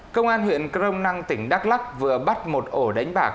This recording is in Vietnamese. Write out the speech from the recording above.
công an huyện crong năng tỉnh đắk lắk vừa bắt một ổ đánh bạc